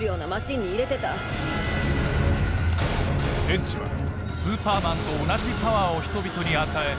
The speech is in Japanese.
エッジはスーパーマンと同じパワーを人々に与え